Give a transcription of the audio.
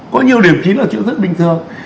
có nhiều điểm kín là chữ thức bình thường